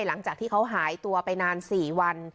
หลังจากที่เขาหายตัวไปนาน๔วัน